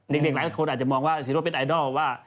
เด็กหลายคนอาจจะมองว่าศิโร่เป็นไอดอลว่า